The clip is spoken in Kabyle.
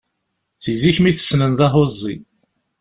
Si zik mi t-ssnen d ahuẓẓi.